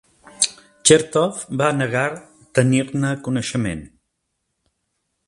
Chertoff va negar tenir-ne coneixement.